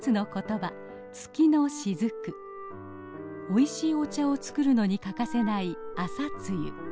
おいしいお茶を作るのに欠かせない朝露。